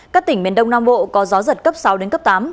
các tỉnh miền đông nam bộ có gió giật cấp sáu đến cấp tám